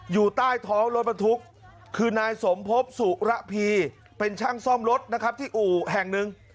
อยู่ใต้ท้องรถบรรทุกคือนายสมภพสุระพีเป็นช่างซ่อมรถนะครับที่อู่แห่งหนึ่ง